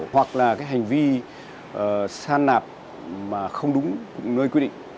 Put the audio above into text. hoặc là cái hành vi san nạp mà không đúng nơi quy định